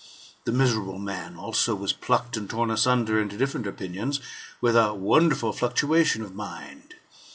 The miserable man, also, was plucked and torn asunder into different opinions, with a wonderful fluctuation of mind.